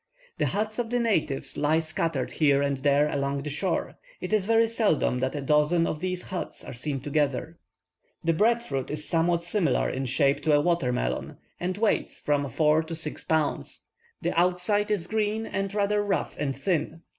The huts of the natives lie scattered here and there along the shore; it is very seldom that a dozen of these huts are seen together. The bread fruit is somewhat similar in shape to a water melon, and weighs from four to six pounds. The outside is green, and rather rough and thin.